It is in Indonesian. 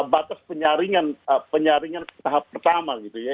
batas penyaringan tahap pertama gitu ya